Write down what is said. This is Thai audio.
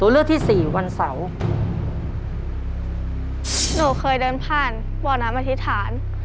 เห็นผ่านตา